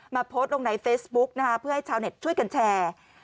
โพสต์ลงในเฟซบุ๊กนะคะเพื่อให้ชาวเน็ตช่วยกันแชร์